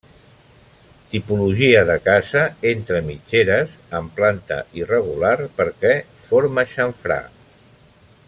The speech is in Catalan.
Tipologia de casa entre mitgeres amb planta irregular perquè forma xamfrà.